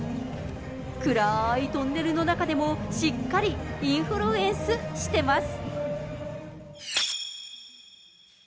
暗ーいトンネルの中でも、しっかりインフルエンスしてます。